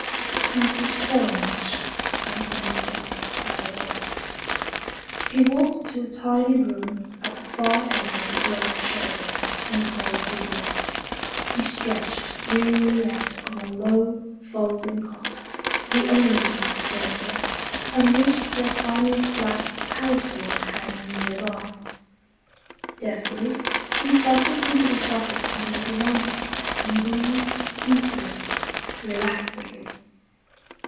"Thank you so much," Anson replied tiredly. He walked to a tiny room at the far end of the great showroom and closed the door. He stretched wearily out on a low, folding cot, the only piece of furniture, and reached for a tiny black power cord hanging nearby. Deftly he plugged it into the socket under his armpit, and breathed deeply, relaxedly.